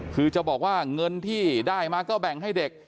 คือจะบอกว่าเงินที่ได้มาก็แบ่งให้เด็ก